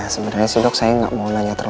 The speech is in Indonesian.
sebenernya sih dok saya gak mau nanya terlalu